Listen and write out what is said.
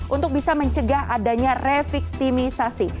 untuk bisa mencegah adanya reviktimisasi